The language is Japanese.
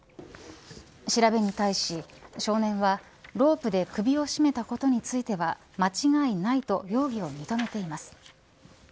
調べに対し、少年はロープで首を絞めたことについては間違いないと容疑を認めています。